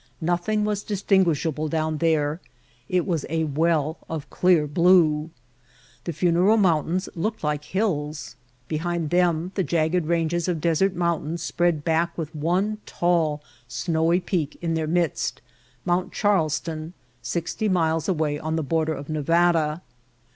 Nothing was distinguishable down there, it was a well of clear blue. The Funeral Mountains looked like hills. Behind them the jagged ranges of desert mountains spread back with one tall, snowy peak in their midst. Mount Charles ton, sixty miles away on the border of Nevada.